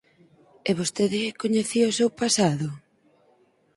E vostede coñecía o seu pasado?